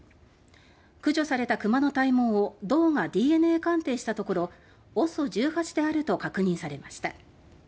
駆除されたクマの体毛を道がＤＮＡ鑑定したところ「ＯＳＯ１８」であると確認されました。